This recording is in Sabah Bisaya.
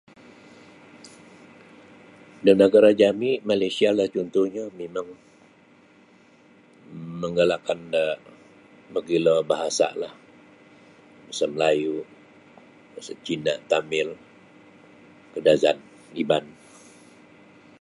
Da nagara' jami' Malaysialah cuntuhnyo mimang menggalakkan da mogilo bahasa'lah bahasa Melayu, bahasa Cina, Tamil, Kadazan, Iban.